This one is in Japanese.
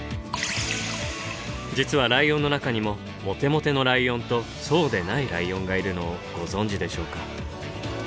実はライオンの中にもモテモテのライオンとそうでないライオンがいるのをご存じでしょうか。